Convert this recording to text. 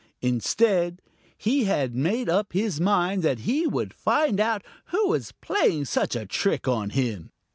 Instead he had made up his mind that he would find out who was playing such a trick on him.